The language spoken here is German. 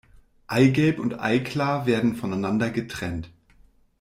Eigelb und Eiklar werden voneinander getrennt.